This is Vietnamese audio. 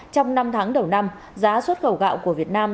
trong năm tháng đầu năm giá xuất khẩu gạo của việt nam